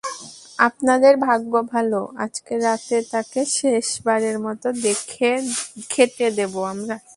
আপনাদের ভাগ্য ভালো, আজকে রাতে তাকে শেষবারের মতো খেতে দেবো আমরা।